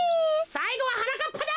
さいごははなかっぱだ！